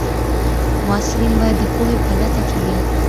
محصلین باید د پوهي په لټه کي وي.